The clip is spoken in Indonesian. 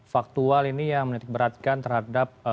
faktual ini yang menitikberatkan terhadap